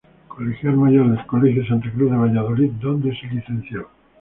Colegial mayor del colegio de Santa Cruz de Valladolid, donde se licenció.